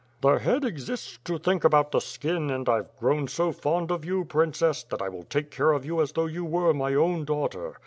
"The head exists to think about the skin; and I've grown so fond of you, Princess, that I will take care of you as though you were my own daughter.